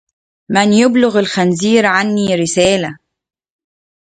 من يبلغ الخنزير عني رسالة